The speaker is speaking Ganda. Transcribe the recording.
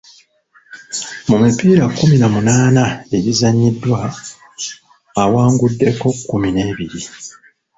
Mu mipiira kkumi na munaana egizannyiddwa, awanguddeko kkumi n'ebiri.